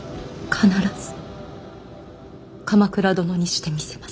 必ず鎌倉殿にしてみせます。